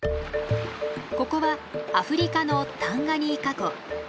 ここはアフリカのタンガニーカ湖。